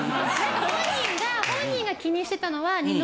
本人が本人が気にしてたのは。